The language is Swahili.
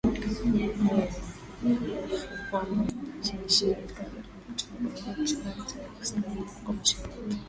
Pia kuna hofu kwamba wanajeshi wa Shirika la Mkataba wa Atlantiki ya Kaskazini walioko mashariki mwa Ulaya wanaweza kulengwa iwapo matukio yanaongezeka.